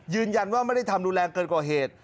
ยืนยันว่าไม่ได้ทำรุนแรงเกินกว่าเหตุ